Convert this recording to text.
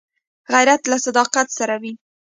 غیرت له صداقت سره وي